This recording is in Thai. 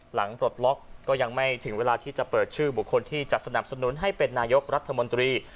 ปลดล็อกก็ยังไม่ถึงเวลาที่จะเปิดชื่อบุคคลที่จะสนับสนุนให้เป็นนายกรัฐมนตรี